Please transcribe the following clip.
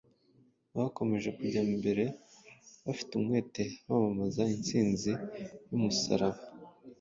bakomeje kujya mbere bafite umwete bamamaza insinzi y’umusaraba.